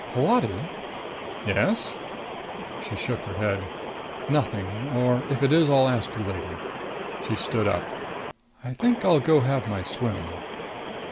Holati " "Yes?" She shook her head. "Nothing. Or if it is, I'll ask you later." She stood up. "I think I'll go have my swim."